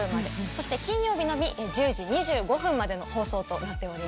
そして金曜日のみ１０時２５分までの放送となっております。